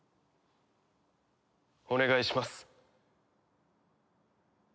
お願いします。